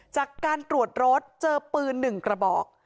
จากการตรวจรถเจอปืน๑กระบอก